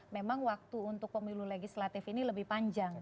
memang waktu untuk pemilu legislatif ini lebih panjang